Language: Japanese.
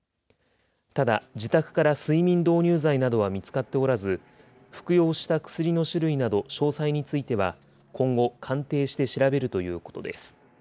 ただ、自宅から睡眠導入剤などは見つかっておらず、服用した薬の種類など、詳細については今後、鑑定して調べるということです。